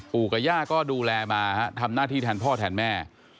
ปู่กับย่าก็ดูแลมาทำหน้าที่แทนพ่อแทนแม่